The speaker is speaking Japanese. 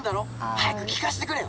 早く聞かせてくれよ！